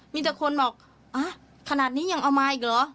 มีแต่คนบอกขนาดนี้ยังเอามาอีกเหรอ